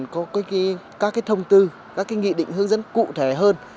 có các thông tư các nghị định hướng dẫn cụ thể hơn